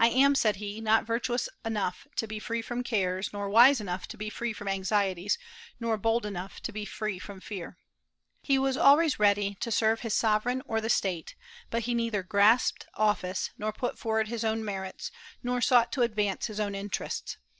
"I am," said he, "not virtuous enough to be free from cares, nor wise enough to be free from anxieties, nor bold enough to be free from fear." He was always ready to serve his sovereign or the State; but he neither grasped office, nor put forward his own merits, nor sought to advance his own interests.